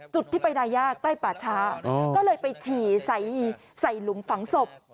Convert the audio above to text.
จุดที่ไปนาย่าใกล้ป่าช้าก็เลยไปฉี่ใส่หลุมฝังศพ